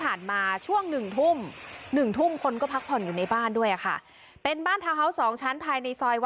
โอ้โหเดี๋ยว